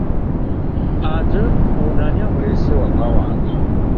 Ate ono ani amuleese ewaka wange?